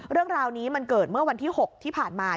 เรื่องราวนี้มันเกิดเมื่อวันที่๖ที่ผ่านมา